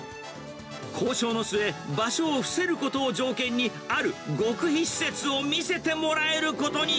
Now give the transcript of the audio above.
交渉の末、場所を伏せることを条件に、ある極秘施設を見せてもらえるこ